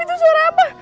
ibub itu suara apa